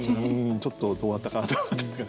ちょっとどうなったかなと思って。